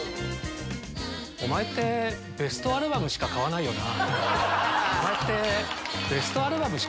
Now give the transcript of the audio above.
お前ってベストアルバムしか買わないよな。